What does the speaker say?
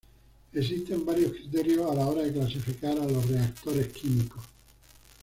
Existen varios criterios a la hora de clasificar a los reactores químicos.